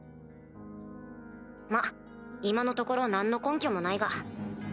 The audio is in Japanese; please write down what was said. まっ今のところ何の根拠もないが。